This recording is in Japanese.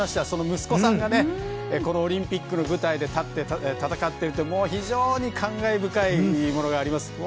その息子さんがこのオリンピックの舞台に立って戦っているって非常に感慨深いものがあります。